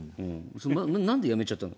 それなんで辞めちゃったの？